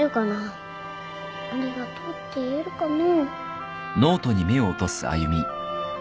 ありがとうって言えるかな。